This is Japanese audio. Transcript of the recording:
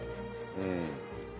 うん。